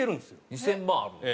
２０００万あるんだ？